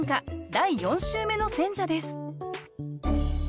第４週目の選者です